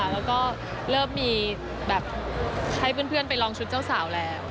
แล้วก็เริ่มมีแบบให้เพื่อนไปลองชุดเจ้าสาวแล้ว